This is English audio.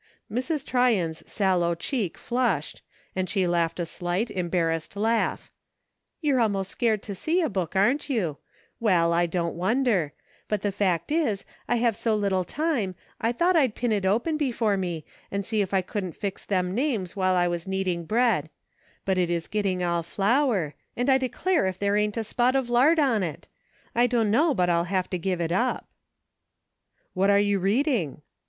Mrs. Tryon's sallow cheek flushed, and she laughed a shght, embarrassed laugh :" You're almost scared to see a book, aren't you ? Well, I don't wonder ; but the fact is, I have so little time, I thought I'd pin it open before me and see if I couldn't fix them names while I was knead ing bread ; but it is getting all flour, and I declare if there ain't a spot of lard on it ! I dunno but I'll have to give it up." "What are you reading